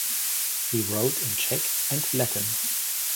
He wrote in Czech and Latin.